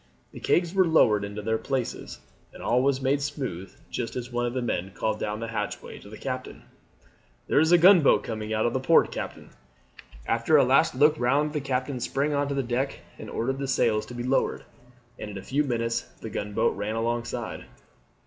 The kegs were lowered into their places, and all was made smooth just as one of the men called down the hatchway to the captain: "There is a gunboat coming out from the port, captain." After a last look round the captain sprang on to the deck and ordered the sails to be lowered, and in a few minutes the gunboat ran alongside.